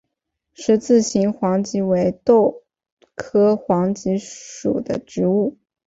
十字形黄耆为豆科黄芪属的植物。